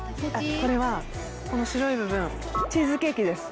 これはこの白い部分チ―ズケ―キです。